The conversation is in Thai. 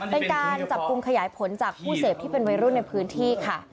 เป็นการจับกลุ่มขยายผลจากผู้เสพที่เป็นวัยรุ่นในพื้นที่ค่ะ